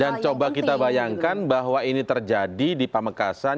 dan coba kita bayangkan bahwa ini terjadi di pamekasan